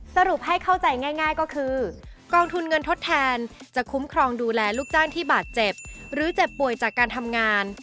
สรุปให้เข้าใจง่ายก็คือกองทุนเงินทดแทนจะคุ้มครองดูแลลูกจ้างที่บาดเจ็บหรือเจ็บป่วยจากการทำงาน